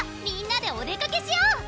みんなでお出かけしよう！